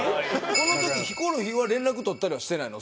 この時ヒコロヒーは連絡取ったりはしてないの？